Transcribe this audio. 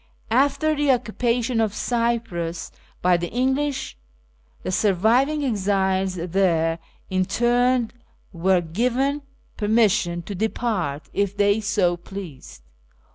After the occupation of Cyprus by the English, the surviving exiles there interned were given per mission to depart if they so pleased.